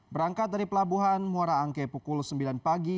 berangkat dari pelabuhan muara angke pukul sembilan pagi